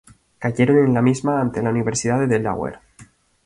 Cayeron en la misma ante la Universidad de Delaware.